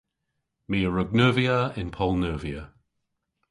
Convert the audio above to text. My a wrug neuvya yn poll-neuvya.